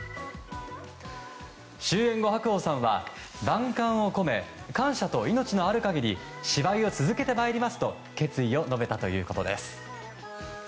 主演の白鸚さんは万感を込め感謝と命のある限り芝居を続けてまいりますと決意を述べたということです。